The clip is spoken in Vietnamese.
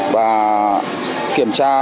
và kiểm tra